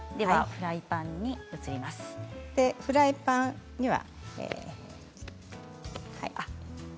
フライパンには。